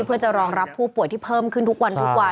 เพื่อจะรองรับผู้ป่วยที่เพิ่มขึ้นทุกวันทุกวัน